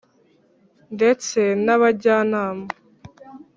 ndetse n’ abajyanama